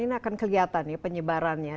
ini akan kelihatan ya penyebarannya